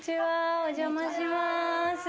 お邪魔します。